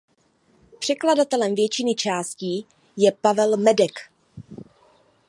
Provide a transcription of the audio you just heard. Překladatelem většiny částí je Pavel Medek.